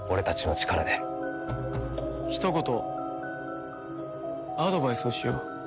ひと言アドバイスをしよう。